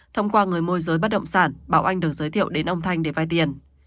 thông qua người môi giới bất động sản bảo oanh được giới thiệu đến ông thanh để vai tiền